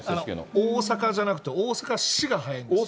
大阪府じゃなくて、大阪市が早い。